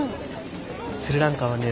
スリランカはね